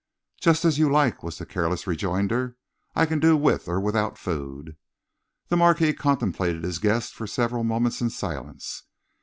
"Just as you like," was the careless rejoinder. "I can do with or without food." The Marquis contemplated his guest for several moments in silence.